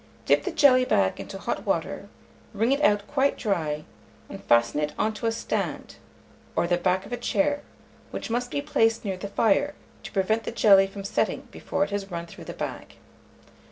Dip the jelly bag into hot water, wring it out quite dry, and fasten it on to a stand or the back of a chair, which must be placed near the fire, to prevent the jelly from setting before it has run through the bag.